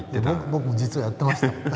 僕実はやってました。